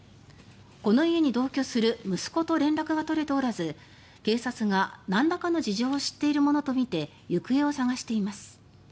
この家に同居する息子と連絡が取れておらず警察が、なんらかの事情を知っているものとみて行方を捜しています。